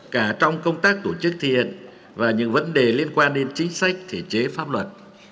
cả trong công tác tổ chức thi hành và những vấn đề liên quan đến chính sách thể chế pháp luật